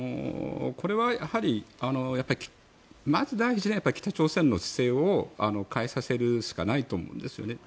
これはやはりまず第一には北朝鮮の姿勢を変えさせるしかないと思うんですよね。